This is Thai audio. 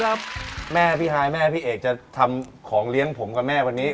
ครับแม่พี่ฮายแม่พี่เอกจะทำของเลี้ยงผมกับแม่วันนี้